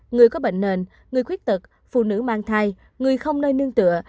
người có bệnh nền người khuyết tật phụ nữ mang thai người không nơi nương tựa